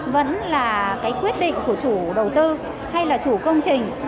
vẫn là cái quyết định của chủ đầu tư hay là chủ công trình